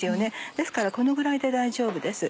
ですからこのぐらいで大丈夫です。